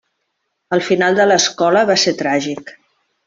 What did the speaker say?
El final de l'escola va ser tràgic.